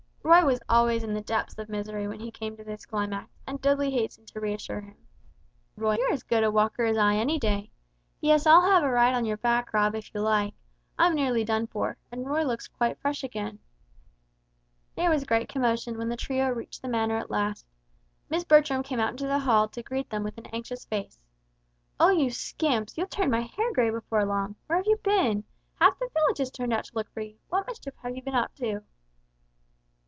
Roy was always in the depths of misery when he came to this climax, and Dudley hastened to reassure him. "Rot! You're as good a walker as I any day. Yes, I'll have a ride on your back, Rob, if you like. I'm nearly done for, and Roy looks quite fresh again." There was great commotion when the trio reached the Manor at last. Miss Bertram came out into the hall to greet them with an anxious face. "Oh, you scamps! You'll turn my hair grey before long. Where have you been? Half the village has turned out to look for you! What mischief have you been up to?"